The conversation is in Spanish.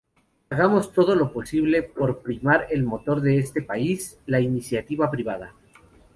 Hagamos todo lo posible por primar el motor de este país: la iniciativa privada".